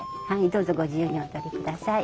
どうぞご自由にお撮りください。